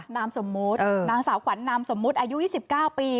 นางสาวขวัญนางสมมุติอายุ๒๙ปี